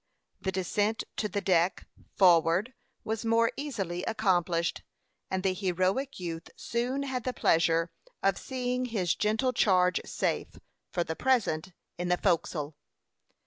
The descent to the deck, forward, was more easily accomplished, and the heroic youth soon had the pleasure of seeing his gentle charge safe, for the present, in the forecastle.